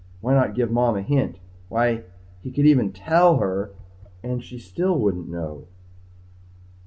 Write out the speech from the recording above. Why not give Mom a hint? Why he could even tell her and she still wouldn't know.